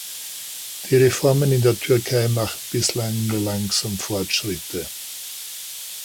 Die Reformen in der Türkei machen bislang nur langsam Fortschritte.